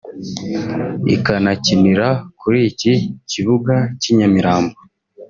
ikanakinira kuri iki kibuga cy’i Nyamirambo